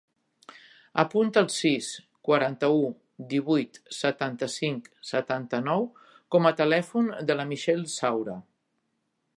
Apunta el sis, quaranta-u, divuit, setanta-cinc, setanta-nou com a telèfon de la Michelle Saura.